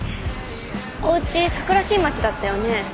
おうち桜新町だったよね？